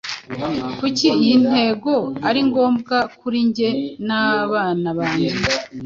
Kuki iyi ntego ari ngombwa kuri njye nabana bange